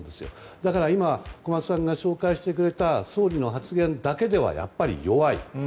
だから、今、紹介してくれた総理の発言だけではやっぱり弱い。